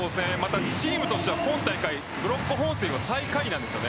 チームとしてはブロック本数が最下位なんです。